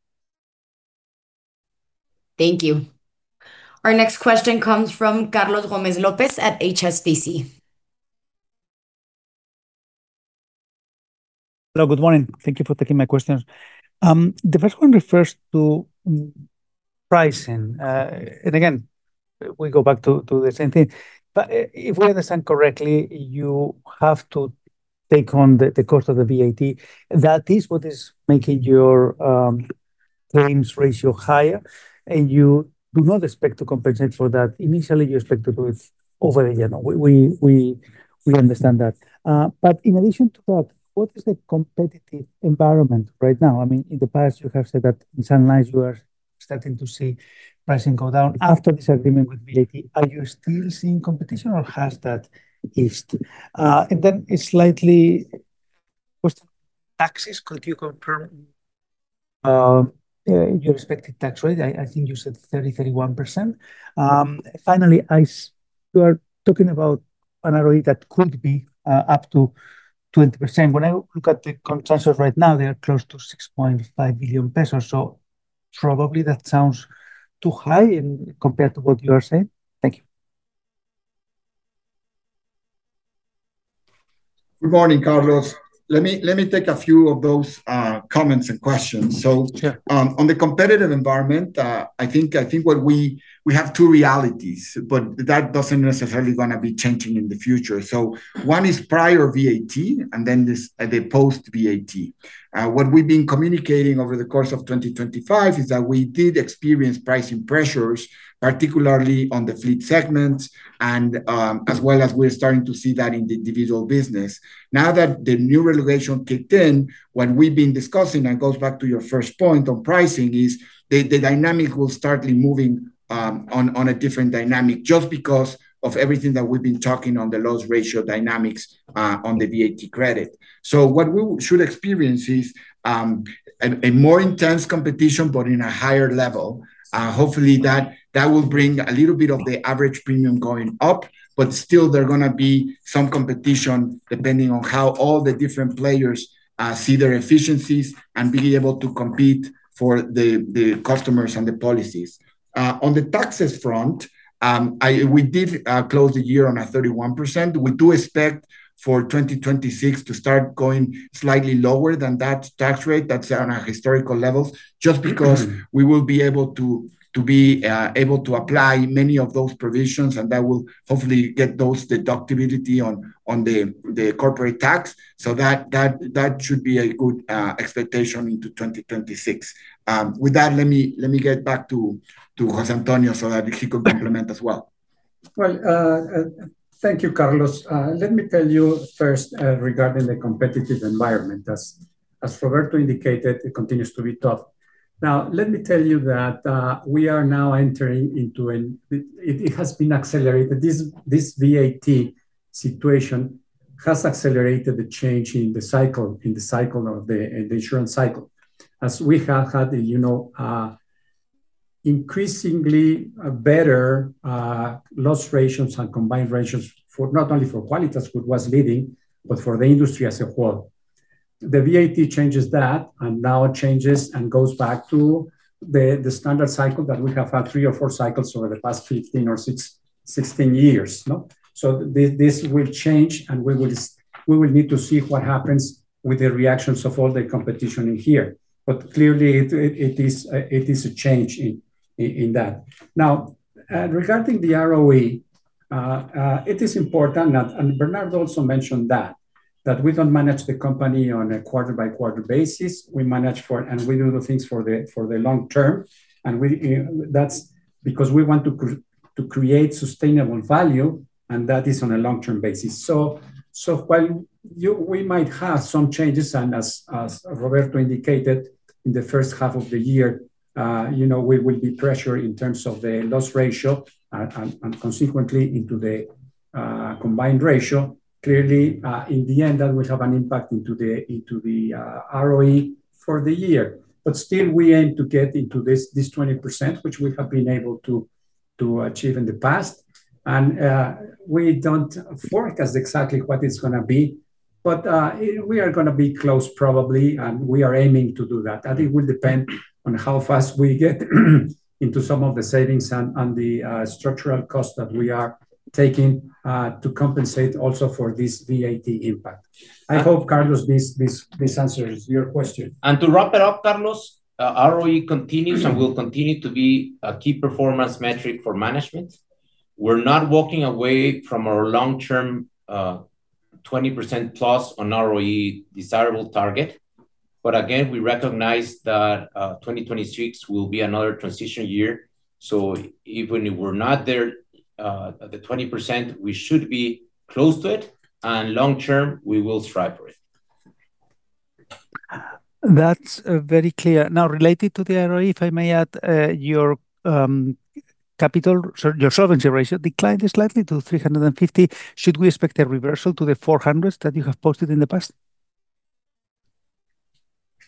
Speaker 1: Thank you. Our next question comes from Carlos Gómez López at HSBC.
Speaker 10: Hello, good morning. Thank you for taking my questions. The first one refers to pricing. And again, we go back to the same thing. But if we understand correctly, you have to take on the cost of the VAT. That is what is making your claims ratio higher, and you do not expect to compensate for that. Initially, you expect to do it over the year. We understand that. But in addition to that, what is the competitive environment right now? I mean, in the past, you have said that in some lines, you are starting to see pricing go down after this agreement with VAT. Are you still seeing competition, or has that eased? And then it's a slight question on taxes? Could you confirm your expected tax rate? I think you said 30%-31%. Finally, you are talking about an ROE that could be up to 20%. When I look at the contractors right now, they are close to 6.5 billion pesos. So probably that sounds too high compared to what you are saying. Thank you.
Speaker 5: Good morning, Carlos. Let me take a few of those comments and questions. So on the competitive environment, I think what we have two realities, but that doesn't necessarily going to be changing in the future. So one is prior VAT and then the post-VAT. What we've been communicating over the course of 2025 is that we did experience pricing pressures, particularly on the fleet segments, as well as we're starting to see that in the individual business. Now that the new regulation kicked in, what we've been discussing, and it goes back to your first point on pricing, is the dynamic will start moving on a different dynamic just because of everything that we've been talking on the loss ratio dynamics on the VAT credit. So what we should experience is a more intense competition, but on a higher level. Hopefully, that will bring a little bit of the average premium going up, but still, there's going to be some competition depending on how all the different players see their efficiencies and be able to compete for the customers and the policies. On the taxes front, we did close the year on a 31%. We do expect for 2026 to start going slightly lower than that tax rate. That's on a historical level just because we will be able to be able to apply many of those provisions, and that will hopefully get those deductibility on the corporate tax. So that should be a good expectation into 2026. With that, let me get back to José Antonio so that he can complement as well.
Speaker 3: Well, thank you, Carlos. Let me tell you first regarding the competitive environment. As Roberto indicated, it continues to be tough. Now, let me tell you that we are now entering into a it has been accelerated. This VAT situation has accelerated the change in the cycle of the insurance cycle. As we have had increasingly better loss ratios and combined ratios not only for Quálitas was leading, but for the industry as a whole. The VAT changes that and now changes and goes back to the standard cycle that we have had three or four cycles over the past 15 years or 16 years. So this will change, and we will need to see what happens with the reactions of all the competition in here. But clearly, it is a change in that. Now, regarding the ROE, it is important, and Bernardo also mentioned that, that we don't manage the company on a quarter-by-quarter basis. We manage for and we do things for the long term. And that's because we want to create sustainable value, and that is on a long-term basis. So while we might have some changes, and as Roberto indicated, in the first half of the year, we will be pressured in terms of the loss ratio and consequently into the combined ratio. Clearly, in the end, that will have an impact into the ROE for the year. But still, we aim to get into this 20%, which we have been able to achieve in the past. We don't forecast exactly what it's going to be, but we are going to be close probably, and we are aiming to do that. I think it will depend on how fast we get into some of the savings and the structural costs that we are taking to compensate also for this VAT impact. I hope, Carlos, this answers your question.
Speaker 4: To wrap it up, Carlos, ROE continues and will continue to be a key performance metric for management. We're not walking away from our long-term 20%+ on ROE desirable target. But again, we recognize that 2026 will be another transition year. So even if we're not there at the 20%, we should be close to it. And long-term, we will strive for it.
Speaker 10: That's very clear. Now, related to the ROE, if I may add, your capital, your solvency ratio declined slightly to 350. Should we expect a reversal to the 400s that you have posted in the past?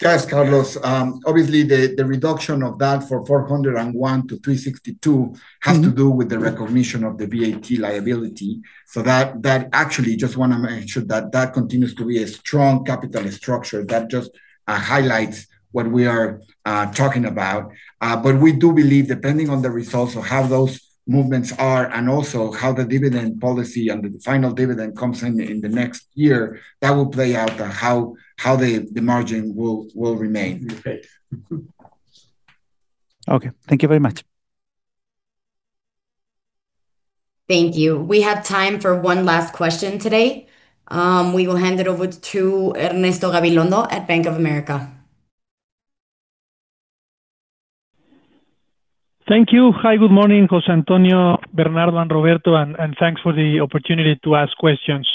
Speaker 5: Yes, Carlos. Obviously, the reduction of that from 401-362 has to do with the recognition of the VAT liability. So that actually, just want to make sure that that continues to be a strong capital structure that just highlights what we are talking about. But we do believe, depending on the results of how those movements are and also how the dividend policy and the final dividend comes in the next year, that will play out how the margin will remain.
Speaker 10: Okay. Thank you very much.
Speaker 1: Thank you. We have time for one last question today. We will hand it over to Ernesto Gabilondo at Bank of America.
Speaker 11: Thank you. Hi, good morning, José Antonio, Bernardo, and Roberto, and thanks for the opportunity to ask questions.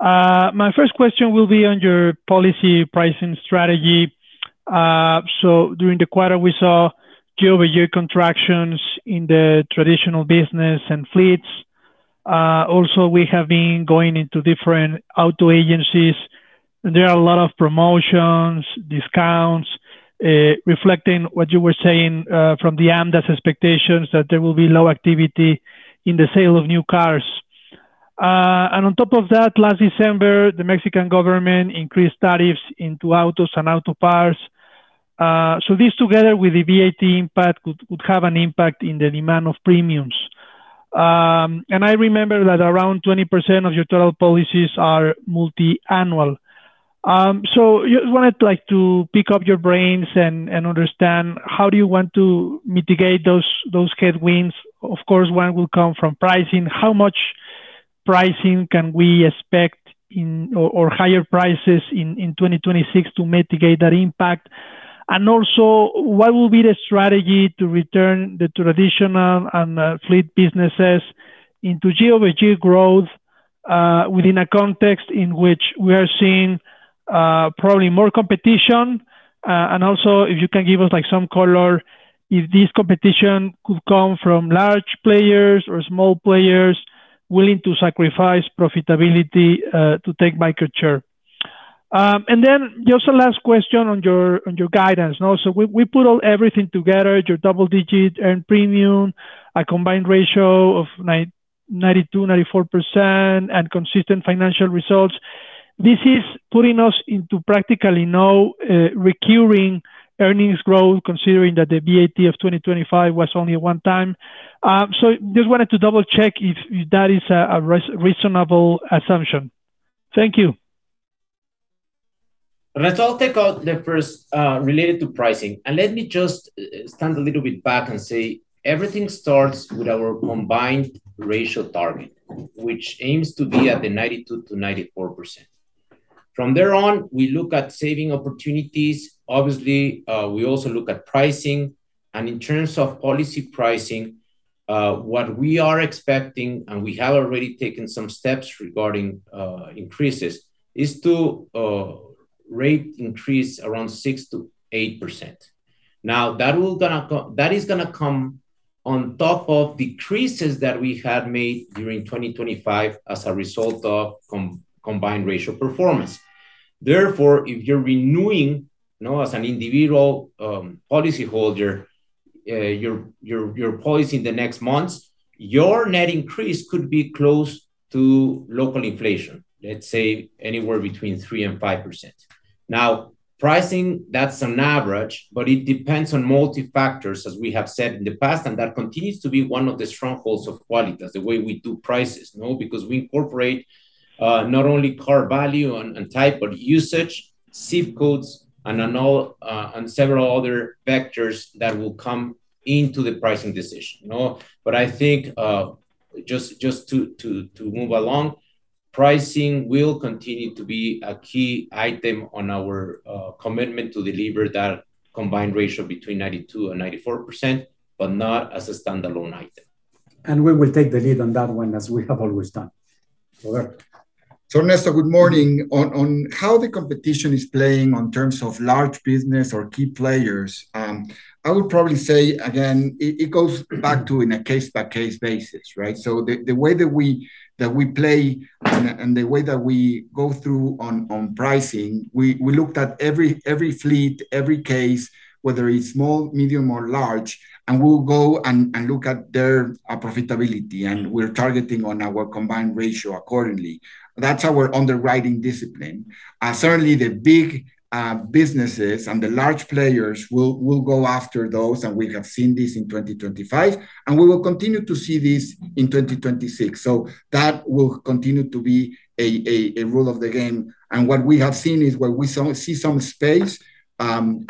Speaker 11: My first question will be on your policy pricing strategy. So during the quarter, we saw year-over-year contractions in the traditional business and fleets. Also, we have been going into different auto agencies, and there are a lot of promotions, discounts, reflecting what you were saying from the AMDA's expectations that there will be low activity in the sale of new cars. And on top of that, last December, the Mexican government increased tariffs into autos and auto parts. So this together with the VAT impact would have an impact in the demand of premiums. And I remember that around 20% of your total policies are multi-annual. So I just wanted to pick your brains and understand how do you want to mitigate those headwinds. Of course, one will come from pricing. How much pricing can we expect or higher prices in 2026 to mitigate that impact? And also, what will be the strategy to return the traditional and fleet businesses into year-over-year growth within a context in which we are seeing probably more competition? And also, if you can give us some color, if this competition could come from large players or small players willing to sacrifice profitability to take market share. And then just a last question on your guidance. So we put everything together, your double-digit earned premium, a combined ratio of 92%-94%, and consistent financial results. This is putting us into practically no recurring earnings growth considering that the VAT of 2025 was only one time. So I just wanted to double-check if that is a reasonable assumption. Thank you.
Speaker 4: Let's all take out the first related to pricing. And let me just stand a little bit back and say everything starts with our Combined Ratio target, which aims to be at the 92%-94%. From there on, we look at saving opportunities. Obviously, we also look at pricing. And in terms of policy pricing, what we are expecting, and we have already taken some steps regarding increases, is to rate increase around 6%-8%. Now, that is going to come on top of decreases that we had made during 2025 as a result of Combined Ratio performance. Therefore, if you're renewing as an individual policyholder your policy in the next months, your net increase could be close to local inflation, let's say anywhere between 3%-5%. Now, pricing, that's an average, but it depends on multiple factors, as we have said in the past, and that continues to be one of the strongholds of Quálitas the way we do prices because we incorporate not only car value and type, but usage, ZIP codes, and several other vectors that will come into the pricing decision. But I think just to move along, pricing will continue to be a key item on our commitment to deliver that combined ratio between 92%-94%, but not as a standalone item.
Speaker 3: And we will take the lead on that one as we have always done. Roberto.
Speaker 5: So Ernesto, good morning. On how the competition is playing in terms of large business or key players, I would probably say, again, it goes back to on a case-by-case basis, right? So the way that we play and the way that we go through on pricing, we looked at every fleet, every case, whether it's small, medium, or large, and we'll go and look at their profitability, and we're targeting on our combined ratio accordingly. That's our underwriting discipline. Certainly, the big businesses and the large players will go after those, and we have seen this in 2025, and we will continue to see this in 2026. So that will continue to be a rule of the game. And what we have seen is where we see some space and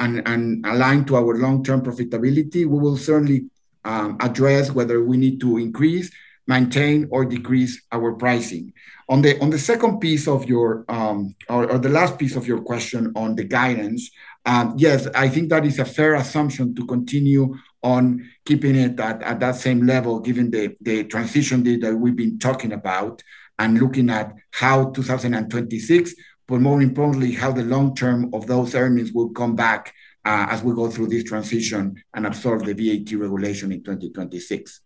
Speaker 5: align to our long-term profitability, we will certainly address whether we need to increase, maintain, or decrease our pricing. On the second piece of your or the last piece of your question on the guidance, yes, I think that is a fair assumption to continue on keeping it at that same level given the transition data we've been talking about and looking at how 2026, but more importantly, how the long term of those earnings will come back as we go through this transition and absorb the VAT regulation in 2026.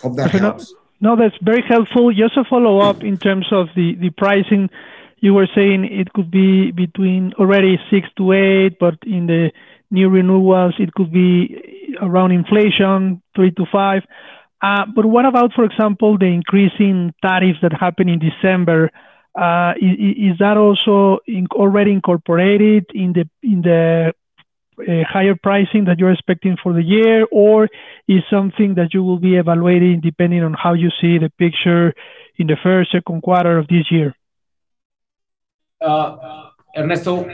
Speaker 5: Hope that helps.
Speaker 11: No, that's very helpful. Just to follow up in terms of the pricing, you were saying it could be between already 6%-8%, but in the new renewals, it could be around inflation, 3%-5%. But what about, for example, the increasing tariffs that happen in December? Is that also already incorporated in the higher pricing that you're expecting for the year, or is something that you will be evaluating depending on how you see the picture in the first, second quarter of this year?
Speaker 5: Ernesto,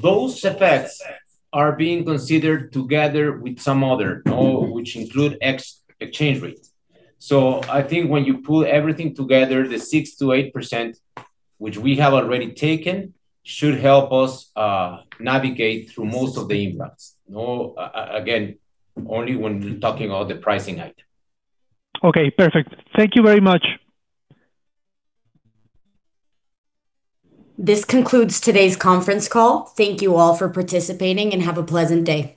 Speaker 5: those effects are being considered together with some other, which include exchange rates. So I think when you pull everything together, the 6%-8%, which we have already taken, should help us navigate through most of the impacts. Again, only when we're talking about the pricing item.
Speaker 11: Okay. Perfect. Thank you very much.
Speaker 1: This concludes today's conference call. Thank you all for participating and have a pleasant day.